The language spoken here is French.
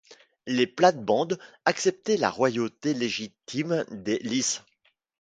Les plates-bandes acceptaient la royauté légitime des lys.